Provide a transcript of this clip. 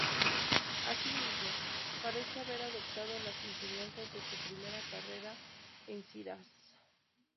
Así mismo, parece haber adoptado las enseñanzas de su primera carrera en Shiraz.